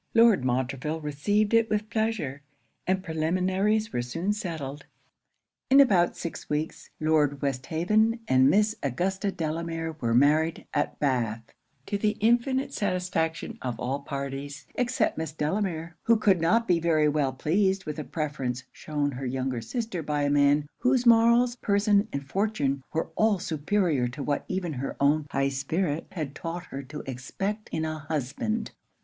Lord Montreville received it with pleasure; and preliminaries were soon settled. In about six weeks, Lord Westhaven and Miss Augusta Delamere were married at Bath, to the infinite satisfaction of all parties except Miss Delamere; who could not be very well pleased with the preference shewn her younger sister by a man whose morals, person, and fortune, were all superior to what even her own high spirit had taught her to expect in a husband.